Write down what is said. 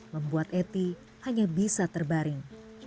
membuat eti hanya bisa terbaring